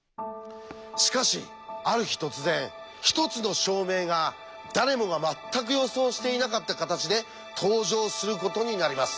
しかしある日突然一つの証明が誰もが全く予想していなかった形で登場することになります。